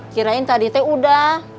kirain tadi teh udah